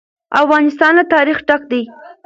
افغانستان له تاریخ ډک دی.